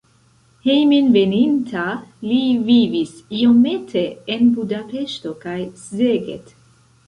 Hejmenveninta li vivis iomete en Budapeŝto kaj Szeged.